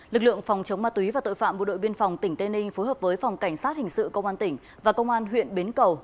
lực lượng phòng chống ma túy và tội phạm bộ đội biên phòng tỉnh tây ninh phối hợp với phòng cảnh sát hình sự công an tỉnh và công an huyện bến cầu